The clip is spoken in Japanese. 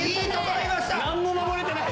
なんも守れてない。